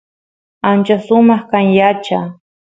ancha sumaq kan yacha